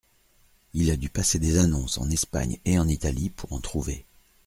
Il a dû passer des annonces en Espagne et en Italie pour en trouver.